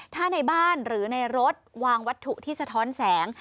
ถ้าในบ้านหรือในรถวางวัตถุที่สะท้อนแสง